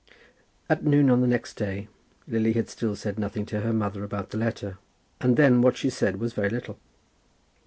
At noon on the next day Lily had still said nothing to her mother about the letter; and then what she said was very little.